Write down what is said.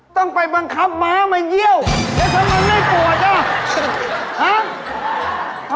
ต้องไปบังคับม้ามาเยี่ยวแล้วทำไมไม่ปวดอ่ะฮะ